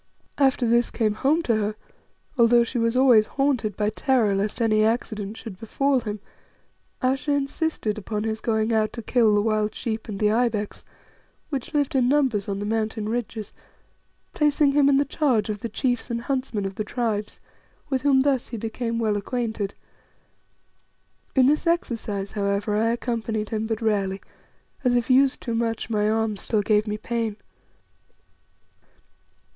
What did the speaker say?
After this came home to her although she was always haunted by terror lest any accident should befall him Ayesha insisted upon his going out to kill the wild sheep and the ibex, which lived in numbers on the mountain ridges, placing him in the charge of the chiefs and huntsmen of the Tribes, with whom thus he became well acquainted. In this exercise, however, I accompanied him but rarely, as, if used too much, my arm still gave me pain.